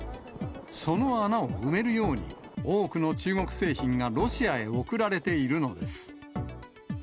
その穴を埋めるように、多くの中国製品がロシアへ送られているのです。